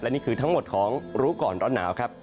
นี่คือทั้งหมดของรู้ก่อนร้อนหนาวครับ